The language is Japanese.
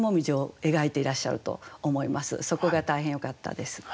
そこが大変よかったです。